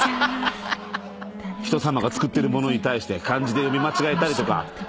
人さまが作ってる物に対して漢字で読み間違えたりとか。